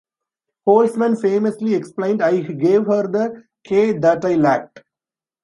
Holzman famously explained, "I gave her the 'K' that I lacked".